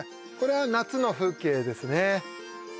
これは夏の風景ですね